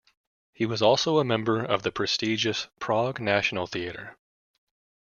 He was also a member of the prestigious Prague National Theatre.